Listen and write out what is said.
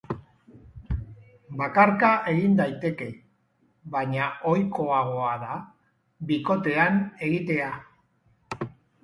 Bakarka egin daiteke, baina ohikoagoa da bikotean egitea.